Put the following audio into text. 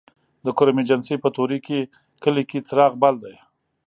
د کرم ایجنسۍ په طوري کلي کې څراغ بل دی